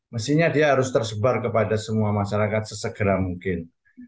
mestinya dia harus tersebar kepada semua masyarakat sesegera mungkin